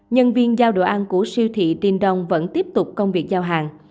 nhân viên giao đồ ăn của siêu thị trin đông vẫn tiếp tục công việc giao hàng